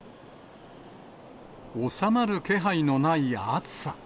収まる気配のない暑さ。